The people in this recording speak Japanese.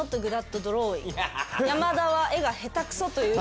「山田は絵が下手くそ」という。